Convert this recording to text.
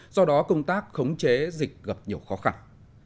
do đó công tác khống chế dịch gặp nhiều khó khăn